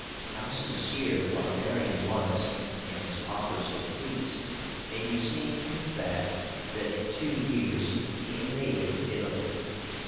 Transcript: How sincere the barbarian was in his offers of peace may be seen from the fact that in two years he invaded Italy (400).